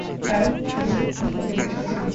তারা শুধু তোকে জিজ্ঞাসা করে ছেড়ে দিয়েছে।